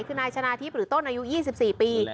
คือนายชนะทิพย์หรือต้นอายุ๒๔ปี